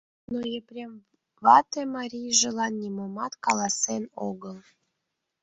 Но Епрем вате марийжылан нимомат каласен огыл.